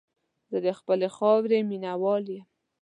زه د خپلې خاورې مینه وال یم.